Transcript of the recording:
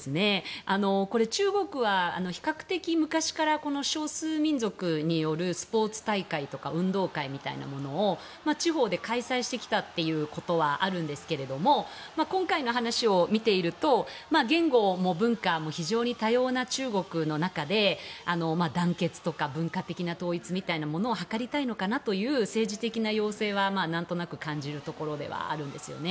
これ、中国は比較的昔からこの少数民族によるスポーツ大会とか運動会みたいなものを地方で開催してきたということはあるんですが今回の話を見ていると言語も文化も非常に多様な中国の中で団結とか文化的な統一みたいなものを図りたいのかなという政治的な要請はなんとなく感じるところではあるんですよね。